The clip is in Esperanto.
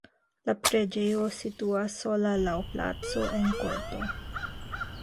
La preĝejo situas sola laŭ placo en korto.